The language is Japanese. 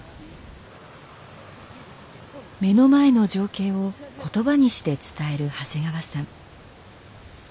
目の前の情景を言葉にして伝える長谷川さん。